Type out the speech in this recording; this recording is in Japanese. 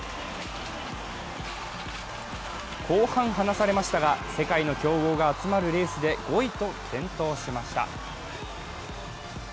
後半離されましたが、世界の強豪が集まるレースで５位と健闘しました。